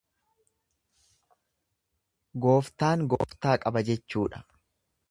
Goftaan goftaa qaba jechuudha.